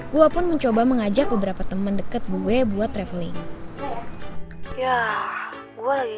gua pun mencoba mengajak beberapa teman deket gue buat traveling ya gue lagi